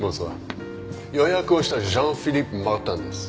予約をしたジャン・フィリップ・マルタンです。